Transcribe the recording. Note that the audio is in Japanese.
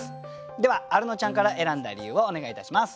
ではアルノちゃんから選んだ理由をお願いいたします。